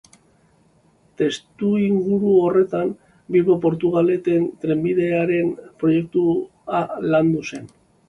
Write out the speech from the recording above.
Testuinguru horretan, Bilbo-Portugalete trenbidearen proiektua landu zen.